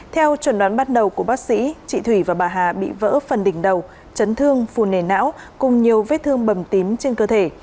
theo chuẩn đoán bắt đầu của bác sĩ chị thủy và bà hà bị vỡ phần đỉnh đầu chấn thương phù nề não cùng nhiều vết thương bầm tím trên cơ thể